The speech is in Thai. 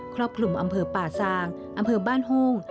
รอบคลุมอำเภอป่าซางอำเภอบ้านโฮ่ง